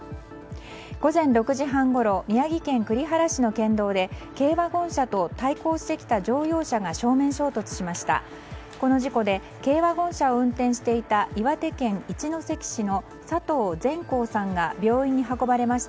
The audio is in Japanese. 午前６時半ごろ宮城県栗原市の県道で軽ワゴン車と対抗してきた乗用車が正面衝突しました。